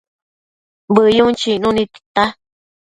Bëyun chicnu nid tita